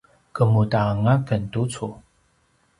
kemuda anga ken tucu?